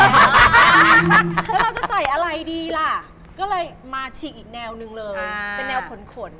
แล้วเราจะใส่อะไรดีล่ะก็เลยมาฉีกอีกแนวหนึ่งเลยเป็นแนวขน